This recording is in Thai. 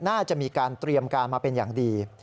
น่าจะมีการเตรียมการมาเป็นอย่างดี